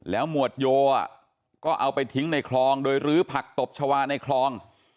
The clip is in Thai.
หมวดโยก็เอาไปทิ้งในคลองโดยลื้อผักตบชาวาในคลอง